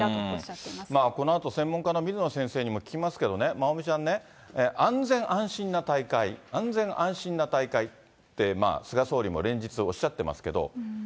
このあと専門家の水野先生にも聞きますけどね、まおみちゃんね、安全・安心な大会、安心・安全な大会って、菅総理も連日、おっしゃってますけど。